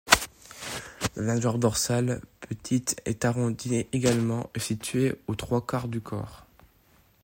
La nageoire dorsale, petite et arrondie également, est située aux trois-quarts du corps.